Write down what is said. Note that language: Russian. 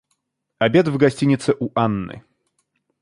Обед в гостинице у Анны.